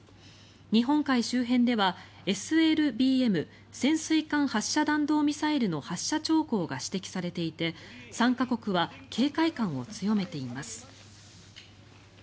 日本海周辺ではＳＬＢＭ・潜水艦発射弾道ミサイルの発射兆候が指摘されていて３か国は警戒感を強めています。